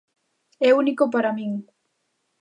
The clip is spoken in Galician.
É único para min.